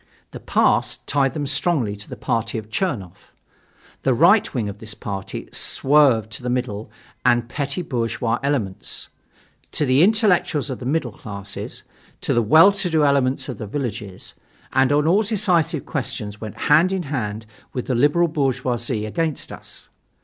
The past tied them strongly to the party of Chernoff. The right wing of this party swerved to the middle and petty bourgeois elements, to the intellectuals of the middle classes, to the well to do elements of the villages; and on all decisive questions went hand in hand with the liberal bourgeoisie against us.